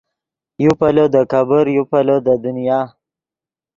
یو پیلو دے کېبر یو پیلو دے دنیا